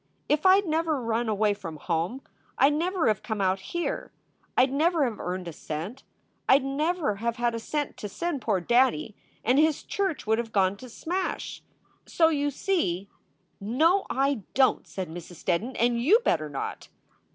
If I d never run away from home I d never have come out here; I d never have earned a cent; I d never have had a cent to send to poor daddy and his church would have gone to smash. So you see " "No, I don t!" said Mrs. Steddon, "and you d better not."